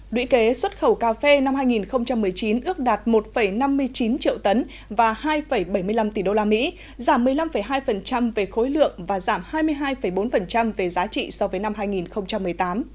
đuy kế xuất khẩu cà phê năm hai nghìn một mươi chín ước đạt một năm mươi chín triệu tấn và hai bảy mươi năm tỷ usd giảm một mươi năm hai về khối lượng và giảm hai mươi hai bốn về giá trị so với năm hai nghìn một mươi tám